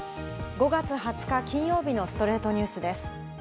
５月２０日、金曜日の『ストレイトニュース』です。